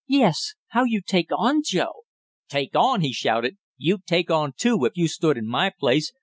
"Yes how you take on, Joe " "Take on!" he shouted. "You'd take on too if you stood in my place.